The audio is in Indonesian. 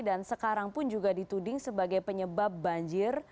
dan sekarang pun juga dituding sebagai penyebab banjir